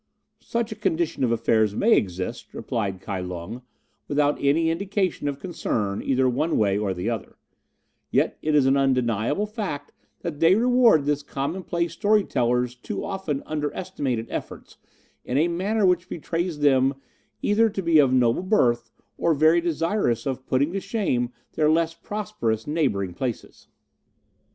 "Such a condition of affairs may exist," replied Kai Lung, without any indication of concern either one way or the other; "yet it is an undeniable fact that they reward this commonplace story teller's too often underestimated efforts in a manner which betrays them either to be of noble birth, or very desirous of putting to shame their less prosperous neighbouring places."